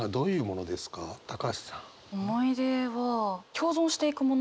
思い出は共存していくもの。